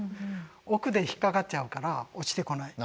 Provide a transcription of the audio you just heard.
奥で引っ掛かっちゃうから落ちてこない。